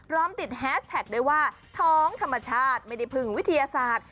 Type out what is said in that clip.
ติดแฮสแท็กด้วยว่าท้องธรรมชาติไม่ได้พึ่งวิทยาศาสตร์